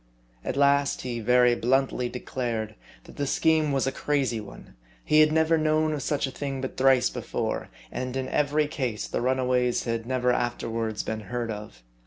At last he very bluntly declared that the scheme was a crazy one ; he had never known of such a thing but thrice before ; and in every case the runaways had never after wards been heard of.